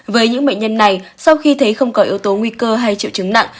với những bệnh nhân này sau khi thấy không có yếu tố nguy cơ hay triệu chứng nặng